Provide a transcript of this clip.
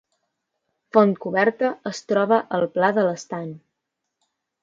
Fontcoberta es troba al Pla de l’Estany